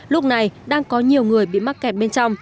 lúc này đang có nhiều người bị mắc kẹt bên trong